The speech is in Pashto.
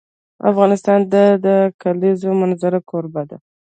افغانستان د د کلیزو منظره کوربه دی.